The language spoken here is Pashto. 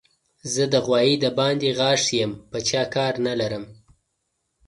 زه د غوايي د باندې غاښ يم؛ په چا کار نه لرم.